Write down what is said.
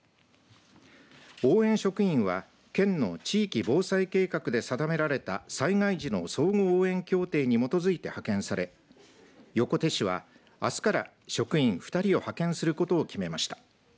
応援職員は県の地域防災計画で定められた災害時の相互応援協定に基づいて派遣され横手市はあすから職員２人を派遣することを決めました。